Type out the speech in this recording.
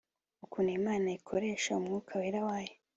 ukuntu Imana ikoresha umwuka wera wayo